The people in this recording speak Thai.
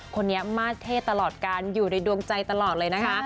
คนนี้มาสเท่ตลอดการอยู่ในดวงใจตลอดเลยนะคะ